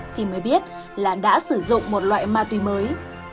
thì mới biết là đã sử dụng một loại ma túy mới